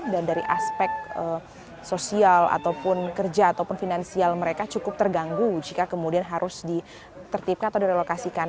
dan dari aspek sosial ataupun kerja ataupun finansial mereka cukup terganggu jika kemudian harus ditertipkan atau direlokasikan